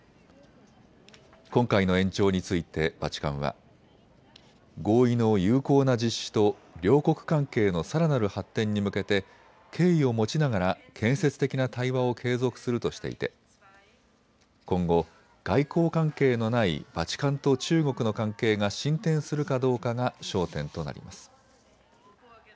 今回の延長についてバチカンは合意の有効な実施と両国関係のさらなる発展に向けて敬意を持ちながら建設的な対話を継続するとしていて今後、外交関係のないバチカンと中国の関係が進展するかどうかが焦点となります。